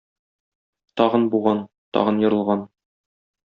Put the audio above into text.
Тагын буган, тагын ерылган.